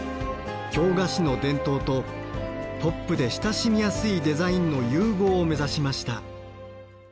京菓子の伝統とポップで親しみやすいデザインの融合を目指しました。